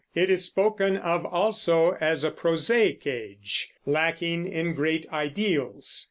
It is spoken of also as a prosaic age, lacking in great ideals.